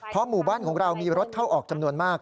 เพราะหมู่บ้านของเรามีรถเข้าออกจำนวนมาก